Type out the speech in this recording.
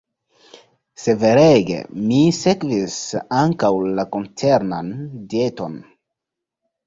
Severege mi sekvis ankaŭ la koncernan dieton.